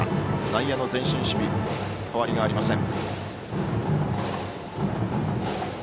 内野の前進守備変わりありません。